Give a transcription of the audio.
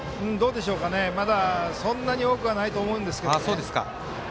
まだそんなに多くはないと思うんですけどね。